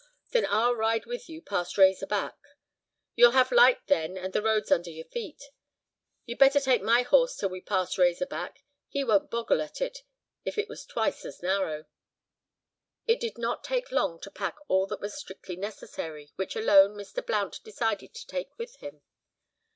Then I'll ride with you past 'Razor Back'; you'll have light then and the road's under your feet. You'd better take my horse till we pass 'Razor Back.' He won't boggle at it if it was twice as narrow." It did not take long to pack all that was strictly necessary, which alone Mr. Blount decided to take with him.